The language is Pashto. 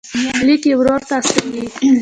لیک یې ورور ته استوي.